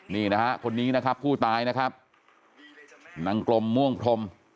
นี่นะฮะคนนี้นะครับผู้ตายนะครับนางกลมม่วงพรม